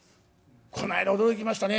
こないだ驚きましたね。